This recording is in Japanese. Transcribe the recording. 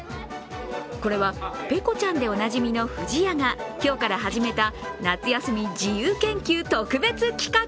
これはペコちゃんでおなじみの不二家が今日から始めた夏休み自由研究特別企画。